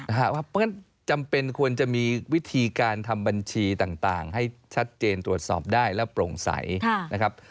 เพราะฉะนั้นจำเป็นควรจะมีวิธีการทำบัญชีต่างให้ชัดเจนตรวจสอบได้และโปร่งใสนะครับ